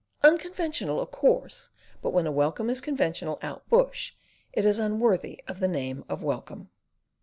Unconventional, of course; but when a welcome is conventional out bush, it is unworthy of the name of welcome.